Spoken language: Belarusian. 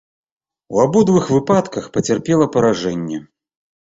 У абодвух выпадках пацярпела паражэнне.